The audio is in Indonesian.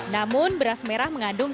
namun beras merah mengandung